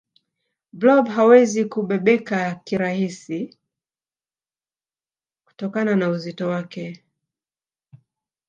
blob hawezi kubebeka kirasi kutokana na uzito wake